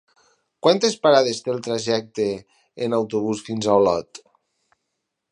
Quantes parades té el trajecte en autobús fins a Olot?